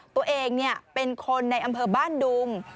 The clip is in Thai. ตัวเองเป็นคนในอำเภอบ้านดุง